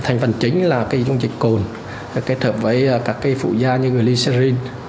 thành phần chính là dịch cồn kết hợp với các phụ gia như glycerin